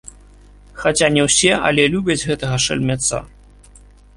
Хаця не ўсе, але любяць гэтага шальмяца.